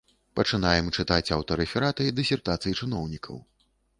Пачынаем чытаць аўтарэфераты дысертацый чыноўнікаў.